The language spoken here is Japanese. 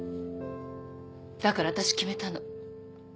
だから私決めたの。